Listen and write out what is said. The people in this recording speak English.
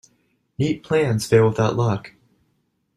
Neat plans fail without luck.